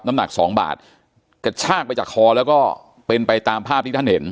น้ำหนักสองบาทกระชากไปจากคอแล้วก็เป็นไปตามภาพที่ท่านเห็น